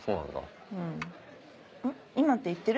今って行ってる？